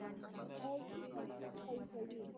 عضوي سره ځمکه قوي کوي.